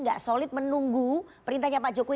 gak solid menunggu perintahnya pak jokowi